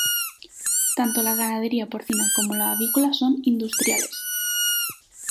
Tanto la ganadería porcina como la avícola son industriales.